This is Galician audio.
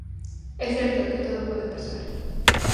É certo que todo pode pasar.